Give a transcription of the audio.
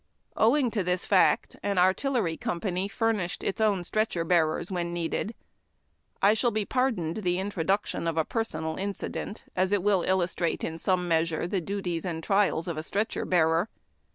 Owing to this fact, an artillery company furnished its own stretcher bearers when needed. I shall be pardoned the introduction of a personal incident, as it will illustrate in some measure the duties and trials of a stretcher bearer.